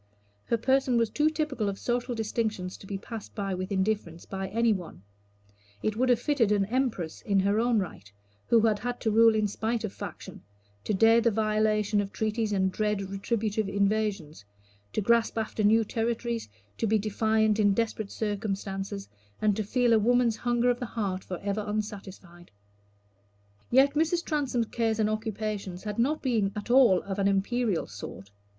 Her person was too typical of social distinctions to be passed by with indifference by any one: it would have fitted an empress in her own right, who had had to rule in spite of faction, to dare the violation of treaties and dread retributive invasions, to grasp after new territories, to be defiant in desperate circumstances, and to feel a woman's hunger of the heart forever unsatisfied. Yet Mrs. Transome's cares and occupations had not been at all of an imperial sort.